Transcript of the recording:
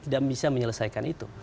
tidak bisa menyelesaikan itu